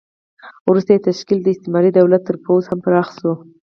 وروسته یې تشکیل د استعماري دولت تر پوځ هم پراخ شو.